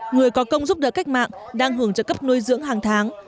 người có công giúp đỡ cách mạng đang hưởng trợ cấp nuôi dưỡng hàng tháng